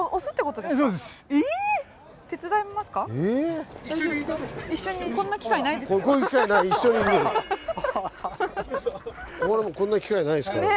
これこんな機会ないですから。